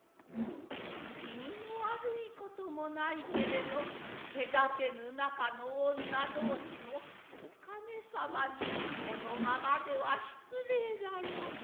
気味の悪い事もないけれど隔てぬ中の女同士もお亀様に此のままでは失礼だらう。